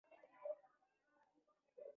د محکمې پرېکړه عملي شوه.